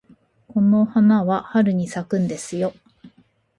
この花は春に咲くんですよ。